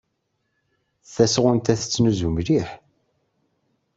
Tasɣunt-a tettnuzu mliḥ.